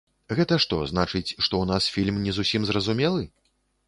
Гэта што, значыць, што ў нас фільм не зусім зразумелы?